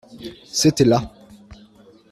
C'était là.